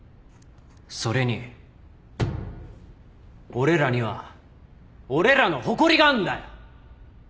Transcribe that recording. それに俺らには俺らの誇りがあんだよ！